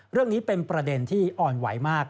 เรื่องนี้เป็นประเด็นที่อ่อนไหวมาก